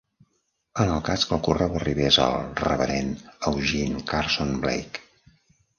En el cas que el correu arribés al Revd Eugene Carson Blake.